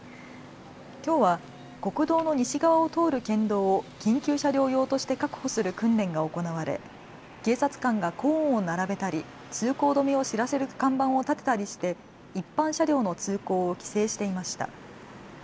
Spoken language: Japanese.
きょうは国道の西側を通る県道を緊急車両用として確保する訓練が行われ警察官がコーンを並べたり通行止めを知らせる看板を立てたりして一般車両の通行を規制していました。